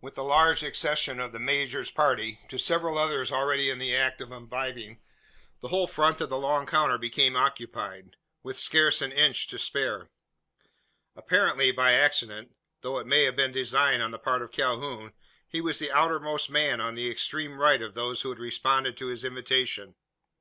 With the large accession of the major's party, to several others already in the act of imbibing, the whole front of the long counter became occupied with scarce an inch to spare. Apparently by accident though it may have been design on the part of Calhoun he was the outermost man on the extreme right of those who had responded to his invitation.